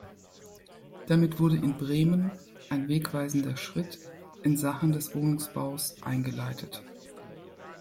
Damit wurde in Bremen ein wegweisender Schritt in Sachen des Wohnungsbaus eingeleitet.